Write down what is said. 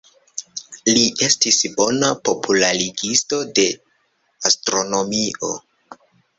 Li estis bona popularigisto de astronomio.